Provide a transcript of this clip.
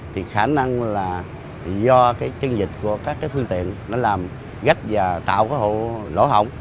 thì khả năng là do cái chân dịch của các cái phương tiện nó làm gách và tạo cái hộ lỗ hỏng